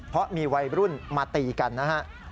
เพราะมีวัยรุ่นมาตีกันนะฮะ